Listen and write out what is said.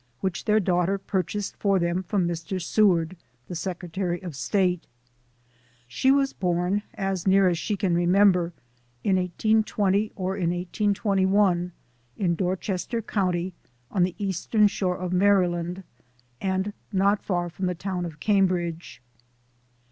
which their daughter purchased for them from Mr. Seward, the Secretary of StatA She was born, as near as she can remember, in 1820 or in 1821, in Dorchester County, on the Eastern shore of Maryland, and not far from the town of Cambridge.